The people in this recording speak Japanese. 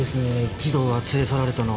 児童が連れ去られたのは。